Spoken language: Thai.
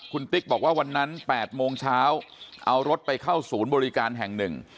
คุณติ๊กบอกว่าวันนั้น๘โมงเช้าเอารถไปเข้าศูนย์บริการแห่งหนึ่ง